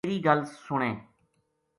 تیری گل سُنے